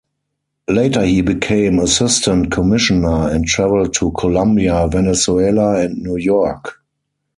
Later he became Assistant Commissioner and traveled to Colombia, Venezuela and New York.